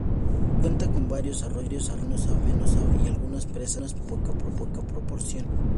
Cuenta con varios arroyos de menos afluencia y algunas presas de poca proporción.